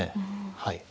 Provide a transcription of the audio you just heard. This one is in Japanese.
はい。